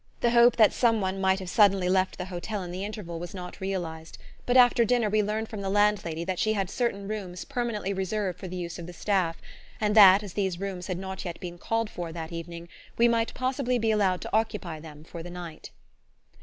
The hope that some one might have suddenly left the hotel in the interval was not realized; but after dinner we learned from the landlady that she had certain rooms permanently reserved for the use of the Staff, and that, as these rooms had not yet been called for that evening, we might possibly be allowed to occupy them for the night.